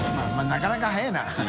なかなか早いな。